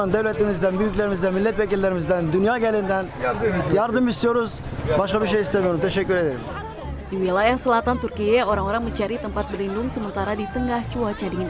di wilayah selatan turkiye orang orang mencari tempat berlindung sementara di tengah cuaca dingin